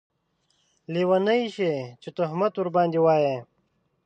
لیونۍ شې چې تهمت ورباندې واېې